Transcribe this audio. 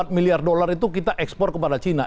empat miliar dolar itu kita ekspor kepada cina